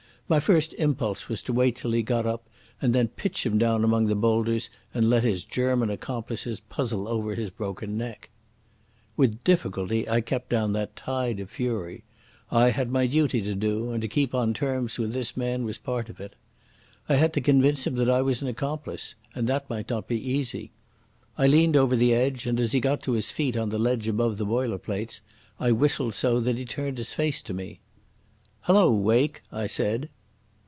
My first impulse was to wait till he got up and then pitch him down among the boulders and let his German accomplices puzzle over his broken neck. With difficulty I kept down that tide of fury. I had my duty to do, and to keep on terms with this man was part of it. I had to convince him that I was an accomplice, and that might not be easy. I leaned over the edge, and, as he got to his feet on the ledge above the boiler plates, I whistled so that he turned his face to me. "Hullo, Wake," I said.